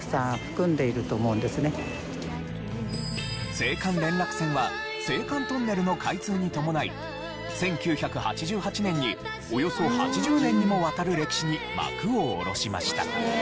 青函連絡船は青函トンネルの開通に伴い１９８８年におよそ８０年にもわたる歴史に幕を下ろしました。